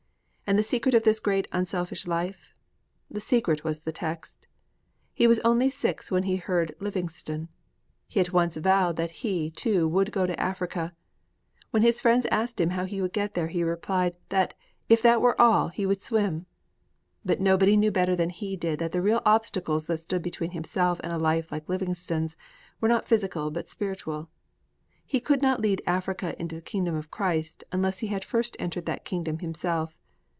And the secret of this great unselfish life? The secret was the text. He was only six when he heard Livingstone. He at once vowed that he, too, would go to Africa. When his friends asked how he would get there, he replied that, if that were all, he would swim. But nobody knew better than he did that the real obstacles that stood between himself and a life like Livingstone's were not physical but spiritual. He could not lead Africa into the kingdom of Christ unless he had first entered that kingdom himself.